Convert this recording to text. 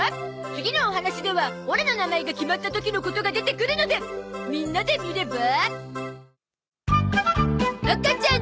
次のお話ではオラの名前が決まった時のことが出てくるのでみんなで見れば？